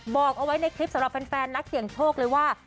บอกเอาไว้ในคลิปสำหรับแฟนนักเสี่ยงโชคเลยว่า